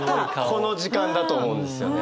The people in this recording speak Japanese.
この時間だと思うんですよね。